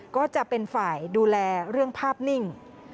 ก็จะเป็นฝ่ายดูแลเรื่องภาพนิ่ง